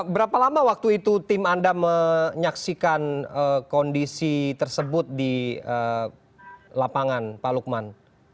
berapa lama waktu itu tim anda menyaksikan kondisi tersebut di lapangan pak lukman